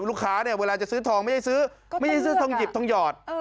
ลูกค้าเนี่ยเวลาจะซื้อทองไม่ได้ซื้อไม่ได้ซื้อทองหยิบทองหยอด